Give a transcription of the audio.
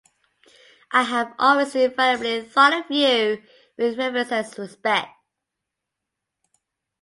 I have always invariably thought of you with reverence and respect.